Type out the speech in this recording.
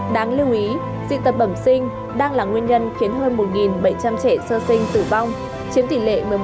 đáng lưu ý dị tật bẩm sinh đang là nguyên nhân khiến hơn một bảy trăm linh trẻ sơ sinh tử vong chiếm tỷ lệ một mươi một